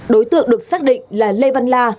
đối tượng được xác định là lê văn la